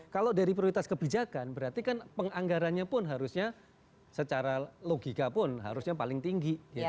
kalau dari prioritas kebijakan berarti kan penganggarannya pun harusnya secara logika pun harusnya paling tinggi